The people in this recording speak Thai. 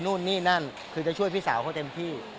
นู่นนี่นั่นคือจะช่วยพี่สาวเขาเต็มที่